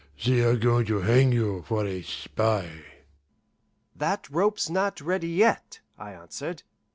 They're going to hang you for a spy." "That rope's not ready yet," I answered.